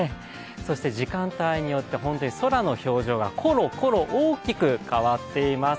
そして時間帯によって本当に空の表情がコロコロ、大きく変わっています。